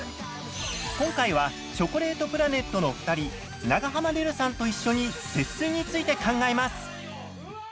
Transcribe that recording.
今回はチョコレートプラネットの２人長濱ねるさんと一緒に節水について考えます！